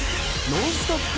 ノンストップ！